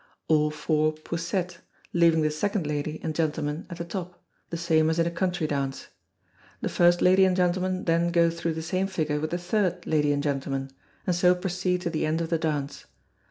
All four poussette, leaving the second lady and gentleman at the top, the same as in a Country Dance. The first lady and gentleman then go through the same figure with the third lady and gentleman, and so proceed to the end of the dance.